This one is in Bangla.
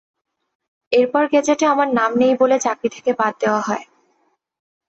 এরপর গেজেটে আমার নাম নেই বলে চাকরি থেকে বাদ দেওয়া হয়।